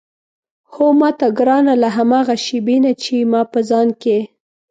هو ماته ګرانه له هماغه شېبې نه چې ما په ځان کې.